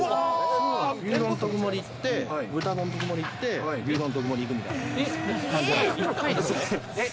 牛丼特盛いって、豚丼特盛いって、牛丼特盛いくみたいな感じなんですよ。